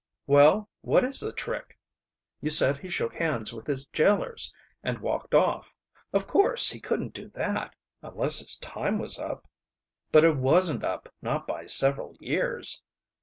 "Well, what is the trick? You said he shook hands with his jailers and walked off. Of course, he couldn't do that, unless his time was up." "But it wasn't up not by several years."